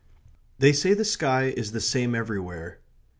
They say the sky is the same everywhere.